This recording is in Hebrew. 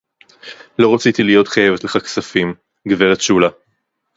לֹא רָצִיתִי לִהְיוֹת חַיֶּיבֶת לְךָ כְּסָפִים, גְּבֶרֶת שׁוּלָה.